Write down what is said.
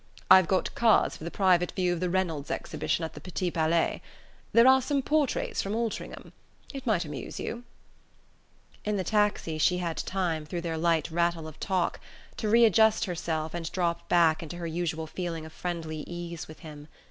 I've got cards for the private view of the Reynolds exhibition at the Petit Palais. There are some portraits from Altringham. It might amuse you." In the taxi she had time, through their light rattle of talk, to readjust herself and drop back into her usual feeling of friendly ease with him.